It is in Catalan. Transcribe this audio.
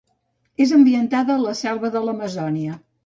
És ambientada a la selva de l'Amazònia.